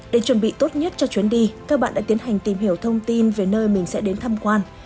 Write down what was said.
để chuẩn bị tốt nhất cho chuyến đi các bạn đã tiến hành tìm hiểu thông tin về nơi mình sẽ đến thăm quan